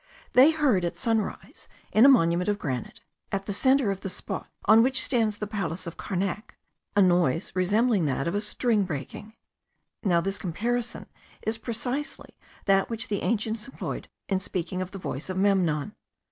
They heard, at sunrise, in a monument of granite, at the centre of the spot on which stands the palace of Karnak, a noise resembling that of a string breaking. Now this comparison is precisely that which the ancients employed in speaking of the voice of Memnon.